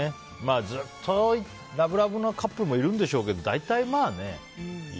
ずっとラブラブのカップルもいるんでしょうけど、大体ね。